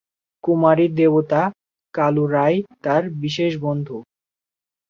কুমীর-দেবতা কালুরায় তার বিশেষ বন্ধু।